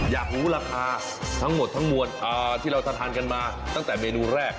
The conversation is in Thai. อยากรู้ราคาทั้งหมดทั้งมวลที่เราจะทานกันมาตั้งแต่เมนูแรก